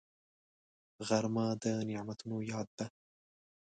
غرمه د نعمتونو یاد ده